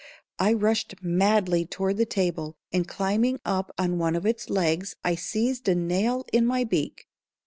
I rushed madly toward the table, and climbing up one of its legs, I seized a nail in my beak.